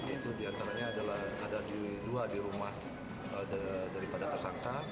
itu diantaranya adalah ada di dua di rumah daripada tersangka